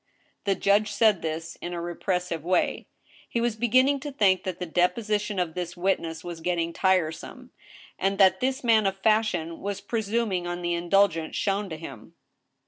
The judge said this in a repressive way. He was beginning to think that the deposition of this witness was getting tiresome, and that this man of fashion was presuming on the indulgence shown to him.